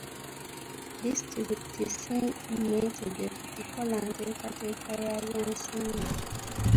Disitulikiti ssi nneetegefu kukola nteekateeka ya bya nsimbi.